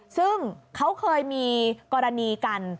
ซึ่งเขาเคยมีกรณีกัน